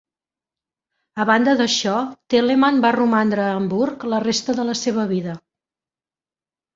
A banda d'això, Telemann va romandre a Hamburg la resta de la seva vida.